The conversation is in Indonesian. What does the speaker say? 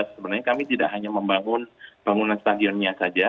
sebenarnya kami tidak hanya membangun bangunan stadionnya saja